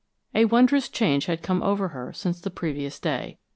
A wondrous change had come over her since the previous day.